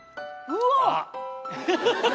うわ！